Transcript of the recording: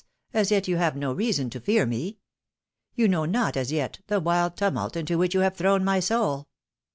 as yet you have no reason to fear me. You know not, as yet, the wild tumult into which you have thrown my soul!